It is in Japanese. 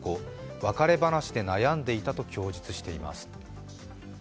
別れ話で悩んでいたと供述しています。